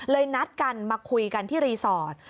นัดกันมาคุยกันที่รีสอร์ท